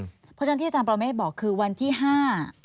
เพราะฉะนั้นที่อาจารย์ปรเมฆบอกคือวันที่ห้า